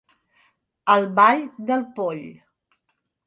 El ball del poll.